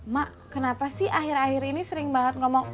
mak kenapa sih akhir akhir ini sering banget ngomong